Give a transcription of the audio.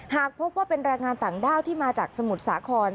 หากพบว่าเป็นแรงงานต่างด้าวที่มาจากสมุทรสาคร